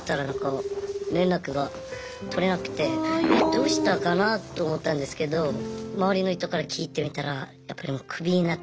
どうしたかなと思ったんですけど周りの人から聞いてみたらやっぱりもうクビになったらしくて。